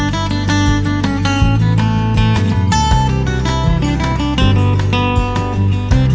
jangan saing leaving